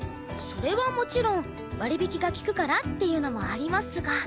それはもちろん割引が利くからっていうのもありますが。